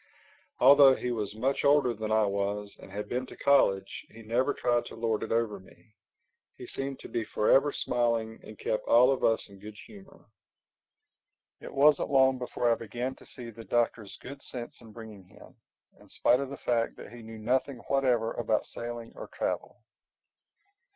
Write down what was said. Although he was much older than I was and had been to college, he never tried to lord it over me. He seemed to be forever smiling and kept all of us in good humor. It wasn't long before I began to see the Doctor's good sense in bringing him—in spite of the fact that he knew nothing whatever about sailing or travel.